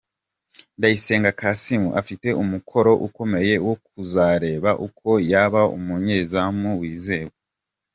Ndayisenga Kassim afite umukoro ukomeye wo kuzareba uko yaba umunyezamu wizewe.